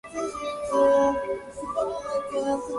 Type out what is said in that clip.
私はチャミスルマスカット味が好き